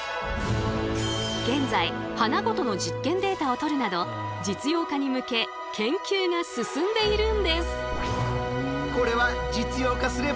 現在花ごとの実験データを取るなど実用化に向け研究が進んでいるんです。